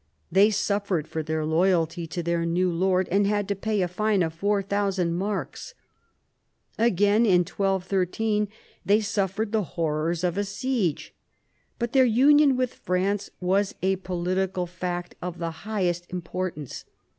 They suffered for their loyalty to their new lord, and had to pay a fine of 4000 marks. Again in 1213 they suffered the horrors of a siege. But their union with France was a political fact of the highest importance.